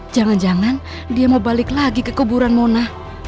jangan jangan dia mau balik lagi ke kuburan mona